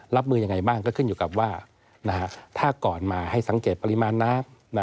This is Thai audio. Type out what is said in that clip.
รับมือยังไงบ้างก็ขึ้นอยู่กับว่าถ้าก่อนมาให้สังเกตปริมาณน้ำ